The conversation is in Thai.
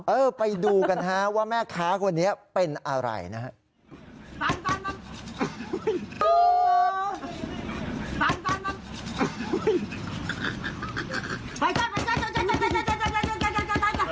เออไปดูกันฮะว่าแม่ค้าคนนี้เป็นอะไรนะฮะ